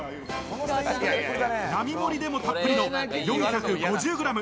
並み盛りでもたっぷりの４５０グラム。